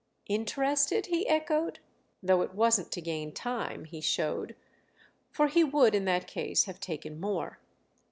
"'Interested'?" he echoed; though it wasn't to gain time, he showed, for he would in that case have taken more.